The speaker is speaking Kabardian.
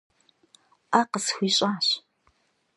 Ӏэ къысхуищӏащ.